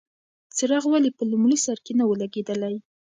څراغ ولې په لومړي سر کې نه و لګېدلی؟